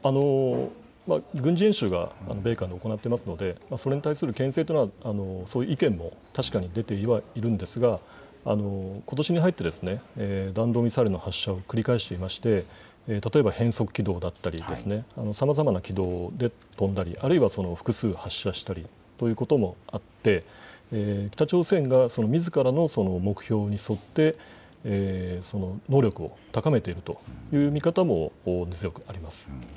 軍事演習は米韓で行っていますのでそれに対するけん制というのは、そういう意見も確かに出てはいるんですがことしに入って弾道ミサイルの発射を繰り返していまして、例えば変則軌道だったりさまざまな軌道で飛んだり、あるいは複数発射したりということもあって北朝鮮がみずからの目標に沿って能力を高めているという見方も根強くあります。